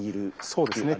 そうですね。